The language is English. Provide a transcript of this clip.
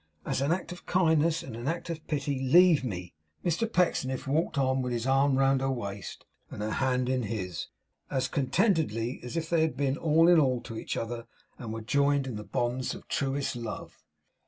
As an act of kindness and an act of pity, leave me!' Mr Pecksniff walked on with his arm round her waist, and her hand in his, as contentedly as if they had been all in all to each other, and were joined in the bonds of truest love.